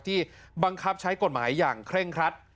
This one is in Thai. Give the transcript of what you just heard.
บังคับใช้กฎหมายอย่างเคร่งครัด